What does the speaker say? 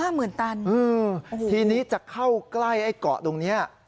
๕หมื่นตันโอ้โฮโอ้โฮทีนี้จะเข้าใกล้ไอ้เกาะตรงนี้